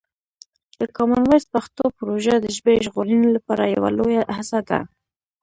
د کامن وایس پښتو پروژه د ژبې ژغورنې لپاره یوه لویه هڅه ده.